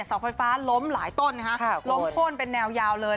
สอบไฟฟ้าล้มหลายต้นล้มโพ่นเป็นแนวยาวเลย